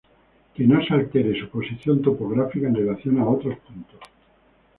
Que no se altere su posición topográfica en relación a otros puntos.